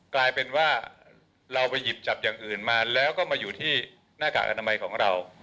กลายเป็นว่าเราไปหยิบจับอย่างอื่นมาแล้วก็มาอยู่ที่หน้ากากอนามัยของเรา